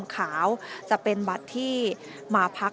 ขาวจะเป็นบัตรที่มาพัก